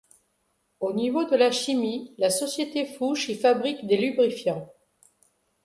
Au niveau de la chimie, la société Fuchs y fabrique des lubrifiants.